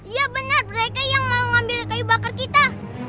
ya benar mereka yang mau ngambil kayu bakar kita